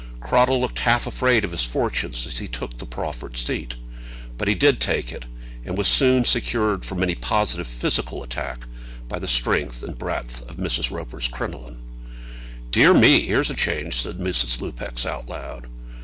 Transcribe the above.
Cradell looked half afraid of his fortunes as he took the proffered seat; but he did take it, and was soon secured from any positive physical attack by the strength and breadth of Miss Roper's crinoline. "Dear me! Here's a change," said Mrs. Lupex, out loud.